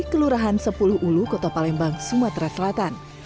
kelurahan sepuluh ulu kota palembang sumatera selatan